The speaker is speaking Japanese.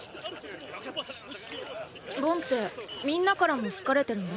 ボンってみんなからも好かれてるんだね。